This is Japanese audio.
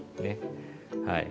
はい。